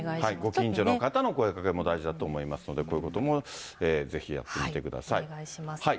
ご近所の方の声かけも大事だと思いますので、こういうこともお願いします。